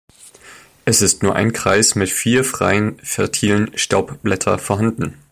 Es ist nur ein Kreis mit vier freien, fertilen Staubblätter vorhanden.